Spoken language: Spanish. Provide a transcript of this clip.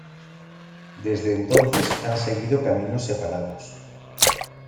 Desde entonces han seguido caminos separados.